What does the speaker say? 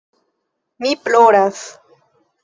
Mi ploras.